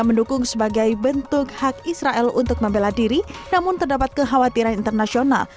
mendukung sebagai bentuk hak israel untuk membela diri namun terdapat kekhawatiran internasional